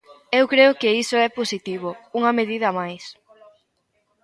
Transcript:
Eu creo que iso é positivo, unha medida máis.